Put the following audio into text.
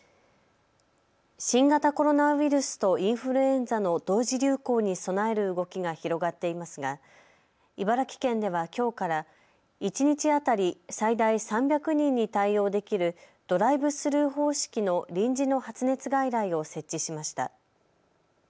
新型コロナウイルスとインフルエンザの同時流行に備える動きが広がっていますが茨城県ではきょうから一日当たり最大３００人に対応できるドライブスルー方式の臨時の発熱外来を設置しました。